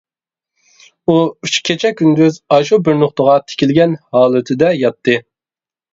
ئۇ ئۈچ كېچە-كۈندۈز ئاشۇ بىر نۇقتىغا تىكىلگەن ھالىتىدە ياتتى.